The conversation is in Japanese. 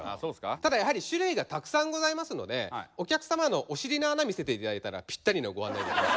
ただやはり種類がたくさんございますのでお客様のお尻の穴見せて頂いたらぴったりのをご案内できます。